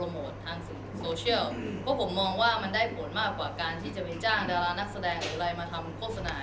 เพราะผมมองว่ามันได้ผลมากกว่าการที่จะไปจ้างดารานักแสดงหรืออะไรมาทำโฆษณา